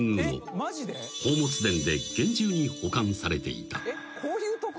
［宝物殿で厳重に保管されていた］